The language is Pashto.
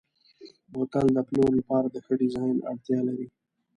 بوتل د پلور لپاره د ښه ډیزاین اړتیا لري.